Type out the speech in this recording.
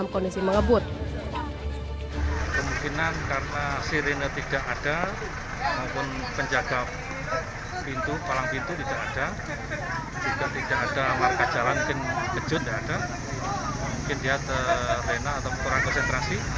mungkin kejut mungkin dia terena atau kurang konsentrasi